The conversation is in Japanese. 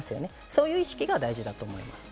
そういう意識が大事だと思います。